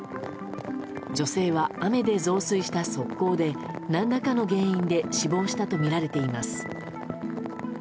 女性は、雨で増水した側溝で何らかの原因で死亡したとみられています。